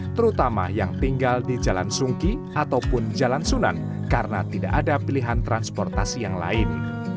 terutama yang tinggal di jalan sungki ataupun jalan sunan karena tidak ada pilihan transportasi yang lain